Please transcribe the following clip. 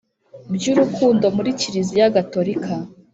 by urukundo muri kiliziya Gatolika